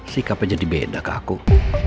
sikapnya jadi beda kakuk